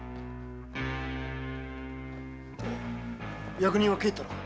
役人は帰ったのか？